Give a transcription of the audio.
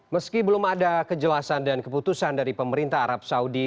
meski belum ada kejelasan dan keputusan dari pemerintah arab saudi